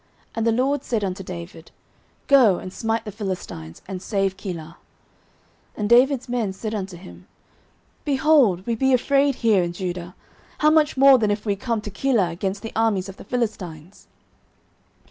And the LORD said unto David, Go, and smite the Philistines, and save Keilah. 09:023:003 And David's men said unto him, Behold, we be afraid here in Judah: how much more then if we come to Keilah against the armies of the Philistines?